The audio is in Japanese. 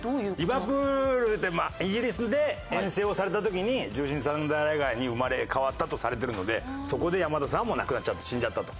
リヴァプールでイギリスで遠征をされた時に獣神サンダー・ライガーに生まれ変わったとされてるのでそこで山田さんはもう亡くなっちゃった死んじゃったと。